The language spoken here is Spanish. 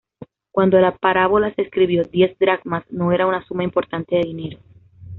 Cuando la parábola se escribió, diez dracmas no era una suma importante de dinero.